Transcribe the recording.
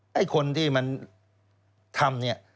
ไอ้คนที่มันทำเนี่ย